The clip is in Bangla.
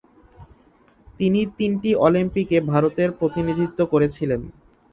তিনি তিনটি অলিম্পিকে ভারতের প্রতিনিধিত্ব করেছিলেন।